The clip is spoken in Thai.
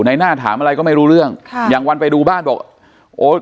ในหน้าถามอะไรก็ไม่รู้เรื่องค่ะอย่างวันไปดูบ้านบอกโอ้ย